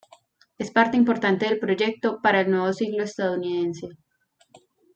Es parte importante del Proyecto para el Nuevo Siglo Estadounidense.